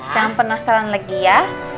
jangan penasaran lagi ya